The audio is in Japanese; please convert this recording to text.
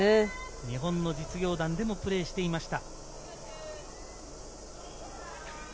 日本の実業団でもプレーしていました。